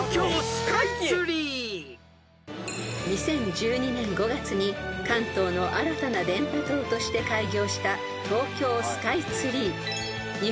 ［２０１２年５月に関東の新たな電波塔として開業した東京スカイツリー］